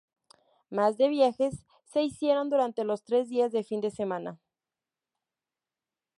Más de viajes se hicieron durante los tres días de fin de semana.